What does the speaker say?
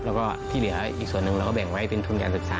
แล้วก็ที่เหลืออีกส่วนหนึ่งเราก็แบ่งไว้เป็นทุนการศึกษา